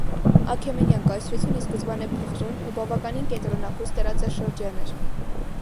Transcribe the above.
Աքեմենյան կայսրությունն ի սկզբանե փխրուն ու բավականին կենտրոնախույս տարածաշրջան էր։